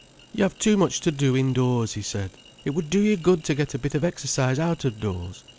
"You have too much to do indoors," he said. "It would do you good to get a bit of exercise out of doors.